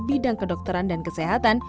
bidang kedokteran dan kesehatan